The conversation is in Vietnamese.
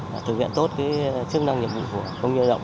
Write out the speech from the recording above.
và thực hiện tốt chức năng nhiệm vụ của công nhân lao động